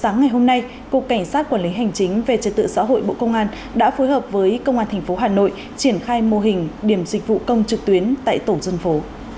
ngày hôm nay cục cảnh sát quản lý hành chính về trật tự xã hội bộ công an đã phối hợp với công an tp hà nội triển khai mô hình điểm dịch vụ công trực tuyến tại tổ dân phố